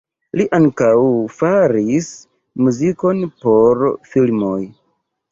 Li ankaŭ faris muzikon por filmoj.